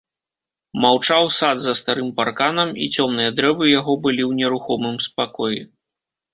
Маўчаў сад за старым парканам, і цёмныя дрэвы яго былі ў нерухомым спакоі.